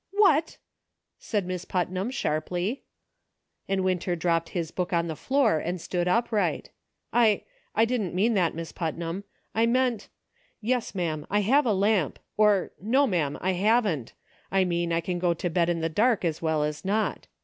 "What!" said Miss Putnam, sharply. And Winter dropped his book on the floor and stood upright. "I — I didn't mean that, Miss Putnam ; I meant — yes, ma'am, I have a lamp ; or, no, ma'am, I haven't ; I mean I can go to bed in the dark as well as not.